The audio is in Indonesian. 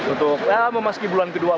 untuk memasuki bulan kedua